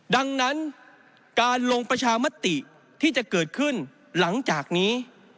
ดังนั้นการลงประชามติที่จะเกิดขึ้นหลังจากนี้